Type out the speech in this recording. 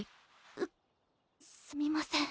うっすみません。